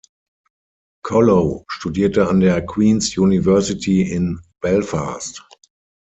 Callow studierte an der Queen’s University in Belfast.